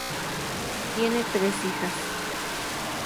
Tiene tres hijas.